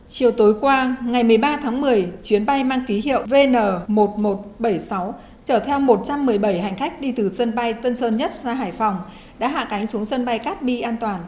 chiều tối qua ngày một mươi ba tháng một mươi chuyến bay mang ký hiệu vn một nghìn một trăm bảy mươi sáu chở theo một trăm một mươi bảy hành khách đi từ sân bay tân sơn nhất ra hải phòng đã hạ cánh xuống sân bay cát bi an toàn